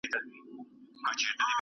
ددې ټولنې اولسونه